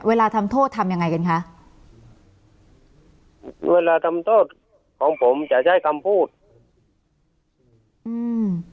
ทำโทษทำยังไงกันคะเวลาทำโทษของผมจะใช้คำพูดอืม